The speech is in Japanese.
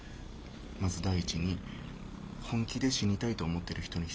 まず第一に本気で死にたいと思ってる人に失礼。